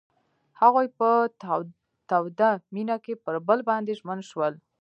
هغوی په تاوده مینه کې پر بل باندې ژمن شول.